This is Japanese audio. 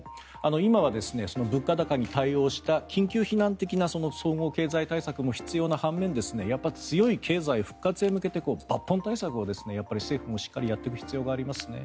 今はその物価高に対応した緊急避難的な総合経済対策も必要な半面強い経済復活に向けて抜本対策を政府もしっかりやっていく必要がありますね。